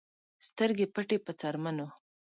سترګې پټې په څرمنو